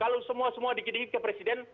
kalau semua semua dikidiki ke presiden